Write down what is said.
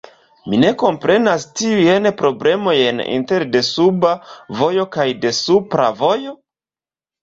Mi ne komprenas tiujn problemojn inter desuba vojo kaj desupra vojo?